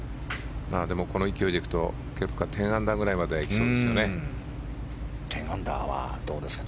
でも、この勢いで行くとケプカ、１０アンダーぐらいは行きそうですよね。